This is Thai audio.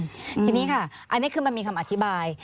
ทีนี้ค่ะอันนี้คือมันมีคำอธิบาย